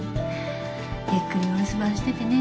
ゆっくりお留守番しててね。